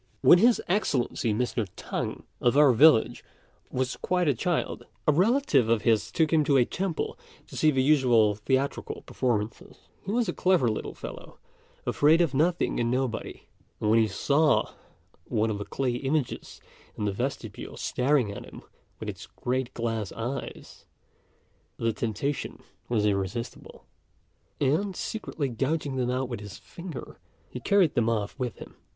When His Excellency Mr. T'ang, of our village, was quite a child, a relative of his took him to a temple to see the usual theatrical performances. He was a clever little fellow, afraid of nothing and nobody; and when he saw one of the clay images in the vestibule staring at him with its great glass eyes, the temptation was irresistible; and, secretly gouging them out with his finger, he carried them off with him.